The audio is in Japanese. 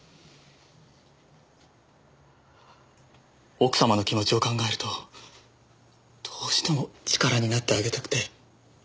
奥様の気持ちを考えるとどうしても力になってあげたくて。